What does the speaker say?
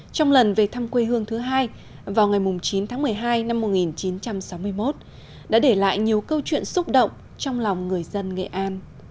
trong lần về thăm quê hương thứ hai vào ngày chín tháng một mươi hai năm một nghìn chín trăm sáu mươi một đã để lại nhiều câu chuyện xúc động trong lòng người dân nghệ an